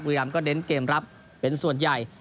รามก็เน้นเกมรับเป็นส่วนใหญ่